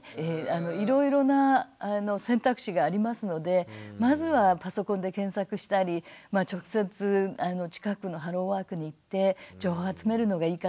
いろいろな選択肢がありますのでまずはパソコンで検索したり直接近くのハローワークに行って情報を集めるのがいいかなと思います。